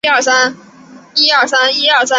中国共产党早期人物。